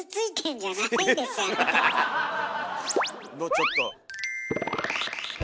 ちょっと。